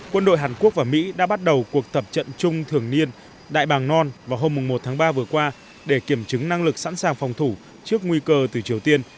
quân đội hàn quốc và mỹ đã bắt đầu cuộc tập trận chung thường niên đại bàng non vào hôm một tháng ba vừa qua để kiểm chứng năng lực sẵn sàng phòng thủ trước nguy cơ từ triều tiên